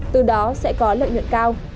từ đó sẽ có lợi nhuận cao